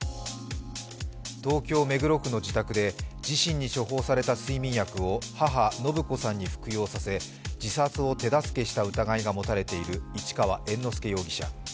東京・目黒区の自宅で、自身に処方された睡眠薬を母・延子さんに服用させ自殺を手助けした疑いが持たれている市川猿之助容疑者。